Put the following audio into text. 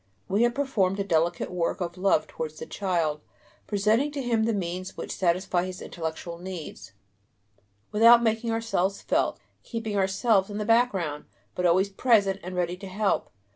We have performed a delicate work of love towards the child, presenting to him the means which satisfy his intellectual needs, without making ourselves felt, keeping ourselves in the background, but always present and ready to help.